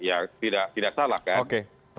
ya tidak salah kan